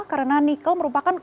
karena nikel merupakan kongresor